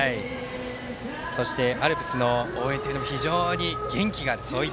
そしてアルプスの応援というのも非常に元気がいい。